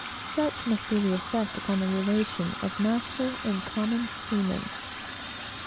Such must be the effect upon the relation of master and common seaman.